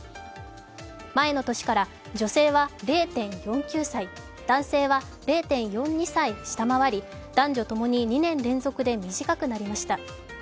前の年から女性は０．４９歳、男性は０．４２歳下回り男女ともに２年連続で短くなりました。